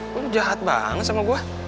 gue jahat banget sama gue